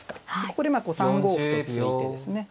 ここで３五歩と突いてですね